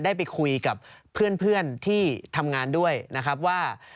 ได้ไปคุยกับเพื่อนที่ทำงานด้วยนะครับว่า